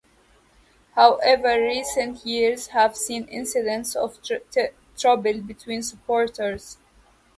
However, recent years have seen incidents of trouble between supporters.